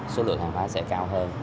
số lượng hàng hóa sẽ cao hơn